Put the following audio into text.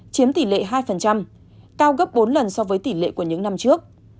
chiếm tỷ lệ hai cao gấp bốn lần so với tỷ lệ của những năm trước